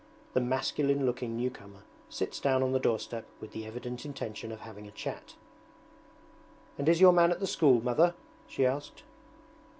The masculine looking new comer sits down on the doorstep with the evident intention of having a chat. 'And is your man at the school. Mother?' she asked.